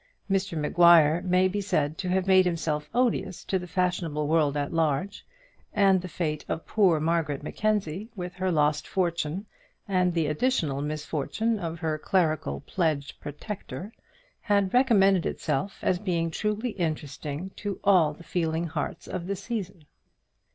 Mr Maguire may be said to have made himself odious to the fashionable world at large, and the fate of poor Margaret Mackenzie with her lost fortune, and the additional misfortune of her clerical pledged protector, had recommended itself as being truly interesting to all the feeling hearts of the season.